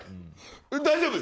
大丈夫？